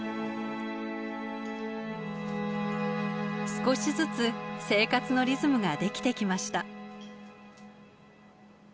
少しずつ生活のリズムができてきました。